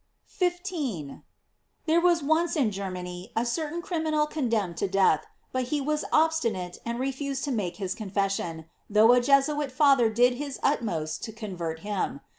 * 15. — There was once in Germany a certain criminal condemned to death; but he was ob» stinate and refused to make his confession, though a Jesuit father did his utmost to con vert him.